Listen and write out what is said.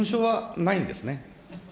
ないんですね。